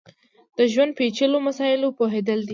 د ژوند پېچلیو مسایلو پوهېدلی دی.